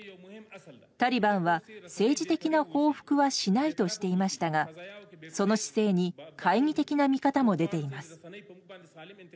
タリバンは政治的な報復はしないとしていましたがその姿勢に懐疑的な見方も出ています。